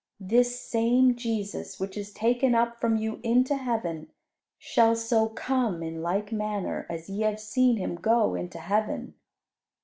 This same Jesus, which is taken up from you into heaven, shall so come in like manner as ye have seen Him go into heaven."